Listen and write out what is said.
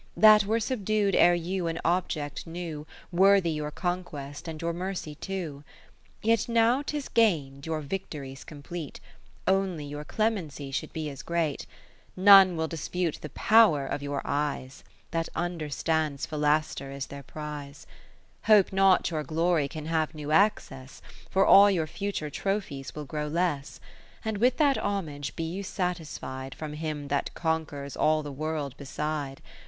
That were subdu'd ere you an Object knew Worthy your conquest and your mercy too ; Yet now 'tis gain'd, your victory 's complete. Only your clemency should be as great. To Mrs. Mary Came None will dispute the power of your eyes, That understands Philaster is their prize. 20 Hope not your glory can have new access, For all your future trophies will grow less : And with that homage be you satisfi'd From him that conquers all the world beside.